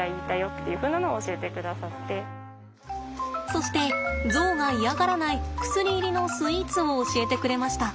そしてゾウが嫌がらない薬入りのスイーツを教えてくれました。